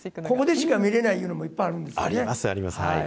ここでしか見れないようなものもいっぱいあるんですか。